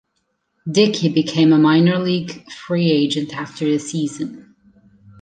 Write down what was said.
Dickey became a minor league free agent after the season.